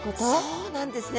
そうなんですね。